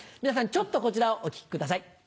皆さんちょっとこちらをお聴きください。